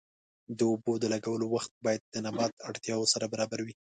د اوبو د لګولو وخت باید د نبات اړتیاوو سره برابر وي.